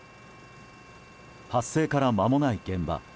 発生からまもない現場。